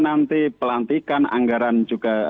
nanti pelantikan anggaran juga